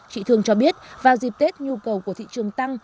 chị thương cho biết vào dịp tết nhu cầu của thị trường tăng